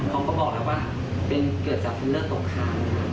เขาก็บอกแล้วว่าเกิดจากฟันเลือกตกข้าง